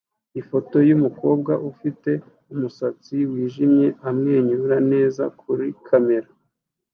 ifoto yumukobwa ufite umusatsi wijimye amwenyura neza kuri kamera